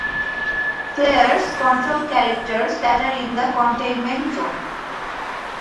Players control characters that are in the Containment Zone.